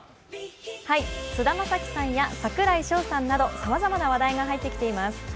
菅田将暉さんや櫻井翔さんなどさまざまな話題が入ってきています。